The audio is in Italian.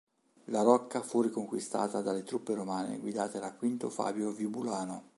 La rocca fu riconquistata dalle truppe romane guidate da Quinto Fabio Vibulano.